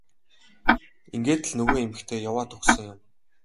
Ингээд л нөгөө эмэгтэй яваад өгсөн юм.